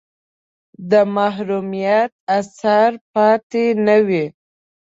د محرومیت اثر پاتې نه وي.